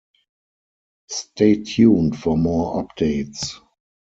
Stay tuned for more updates.